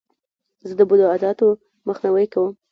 زه د بدو عادتو مخنیوی کوم.